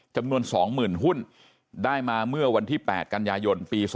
จำนวน๒๐๐๐หุ้นได้มาเมื่อวันที่๘กันยายนปี๒๕๖